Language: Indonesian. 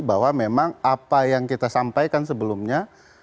bahwa memang apa yang kita sampaikan sebelumnya